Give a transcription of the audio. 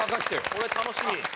これ楽しみ。